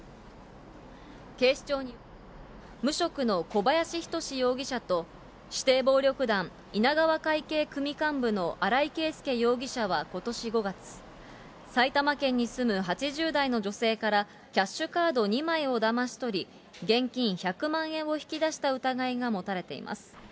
無職の小林仁容疑者と、指定暴力団稲川会系組幹部の荒井けいすけ容疑者はことし５月、埼玉県に住む８０代の女性からキャッシュカード２枚をだまし取り、現金１００万円を引き出した疑いが持たれています。